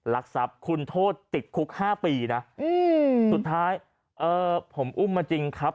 รักทรัพย์คุณโทษติดคุก๕ปีนะสุดท้ายผมอุ้มมาจริงครับ